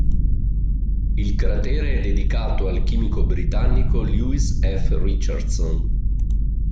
Il cratere è dedicato al chimico britannico Lewis F. Richardson.